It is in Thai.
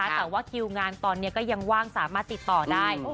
แต่ว่าคิวงานตอนนี้ก็ยังว่างสามารถติดต่อได้